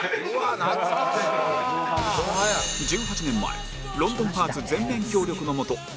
１８年前『ロンドンハーツ』全面協力のもと